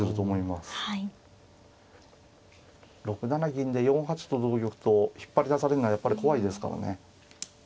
銀で４八と同玉と引っ張り出されるのはやっぱり怖いですからね。